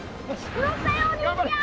乗ったよお兄ちゃん。